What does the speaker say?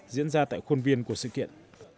diễn ra tại khuôn viên của sự kiện